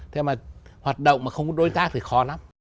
thế mà hoạt động mà không có đối tác thì khó lắm